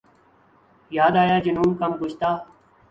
یاد آیا جنون گم گشتہ